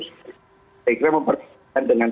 saya kira memperhatikan dengan